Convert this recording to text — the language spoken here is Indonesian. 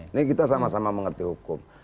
ini kita sama sama mengerti hukum